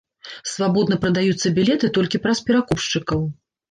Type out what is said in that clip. Свабодна прадаюцца білеты толькі праз перакупшчыкаў.